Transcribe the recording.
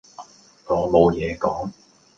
我冇野講